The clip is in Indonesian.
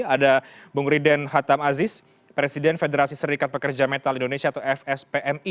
ada bung riden hatam aziz presiden federasi serikat pekerja metal indonesia atau fspmi